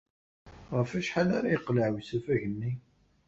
Ɣef wacḥal ara yeqleɛ usafag-nni?